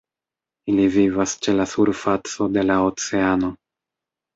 Ili vivas ĉe la surfaco de la oceano.